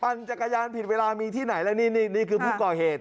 จักรยานผิดเวลามีที่ไหนแล้วนี่นี่คือผู้ก่อเหตุ